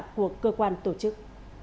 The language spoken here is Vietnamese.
của cơ quan tổ chức